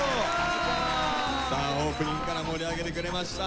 さあオープニングから盛り上げてくれました。